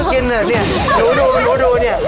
หนูดูเนี่ย